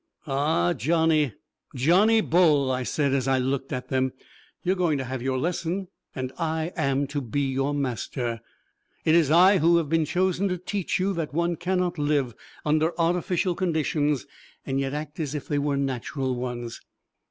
"Ah, Johnny, Johnny Bull," I said, as I looked at them, "you are going to have your lesson, and I am to be your master. It is I who have been chosen to teach you that one cannot live under artificial conditions and yet act as if they were natural ones.